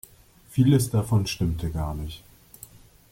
Vieles davon stimmte gar nicht.